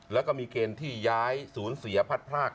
แล้วก็มีเกณฑ์ที่ย้ายศูนย์เสียพัดพราก